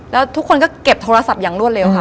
แล้วทุกคนก็เก็บโทรศัพท์อย่างรวดเร็วค่ะ